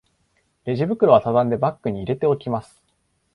レジ袋はたたんでバッグに入れておきます